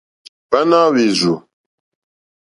Hwáná hwèrzù.